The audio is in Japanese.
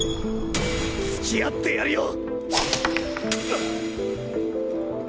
つきあってやるよ！